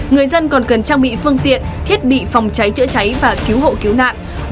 người dân còn cần trang bị phương tiện thiết bị phòng cháy chữa cháy và cứu hộ cứu nạn